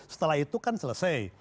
setelah itu kan selesai